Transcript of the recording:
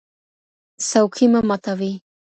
څوکۍ مه ماتوئ.